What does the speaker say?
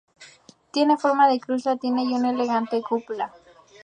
Tiene forma de cruz latina y una elegante cúpula.